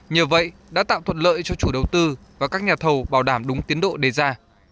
nhờ vậy đã tạo thuận lợi cho chủ đầu tư và các nhà thầu bảo đảm đúng tiến độ đề ra